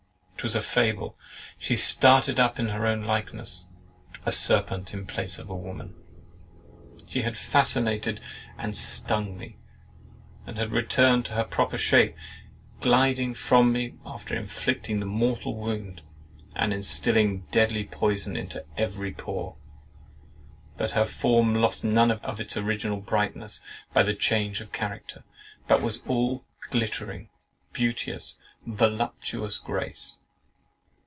It was a fable. She started up in her own likeness, a serpent in place of a woman. She had fascinated, she had stung me, and had returned to her proper shape, gliding from me after inflicting the mortal wound, and instilling deadly poison into every pore; but her form lost none of its original brightness by the change of character, but was all glittering, beauteous, voluptuous grace.